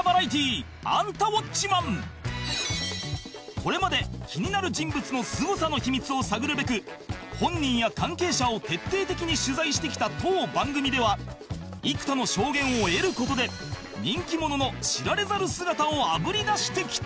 これまで気になる人物のすごさの秘密を探るべく本人や関係者を徹底的に取材してきた当番組では幾多の証言を得る事で人気者の知られざる姿を炙り出してきた